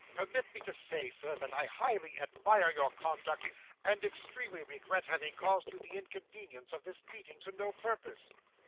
Permit me to say, Sir, that I highly admire your conduct, and extremely regret having caused you the inconvenience of this meeting, to no purpose.